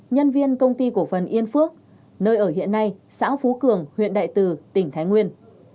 nhân viên công ty cổ phần yên phước nơi ở hiện nay xã phú cường huyện đại từ tỉnh thái nguyên